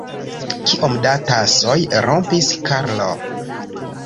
Kiom da tasoj rompis Karlo?